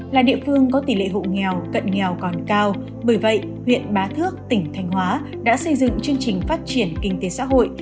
là địa phương có tỷ lệ hộ nghèo cận nghèo còn cao bởi vậy huyện bá thước tỉnh thanh hóa đã xây dựng chương trình phát triển kinh tế xã hội